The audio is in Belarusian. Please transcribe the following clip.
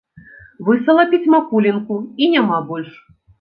Высалапіць макулінку, і няма больш.